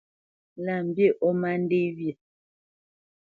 Lâ mbî ó má ndê wyê.